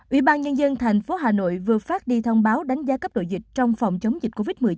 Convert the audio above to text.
ủy ban nhân dân thành phố hà nội vừa phát đi thông báo đánh giá cấp độ dịch trong phòng chống dịch covid một mươi chín